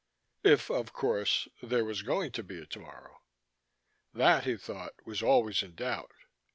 If, of course, there was going to be a tomorrow ... that, he thought, was always in doubt.